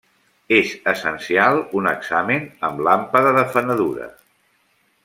És essencial un examen amb làmpada de fenedura.